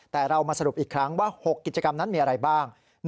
แต่เรามาสรุปอีกครั้งว่า๖กิจกรรมนั้นมีอะไรบ้าง